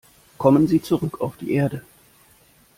Kommen Sie zurück auf die Erde.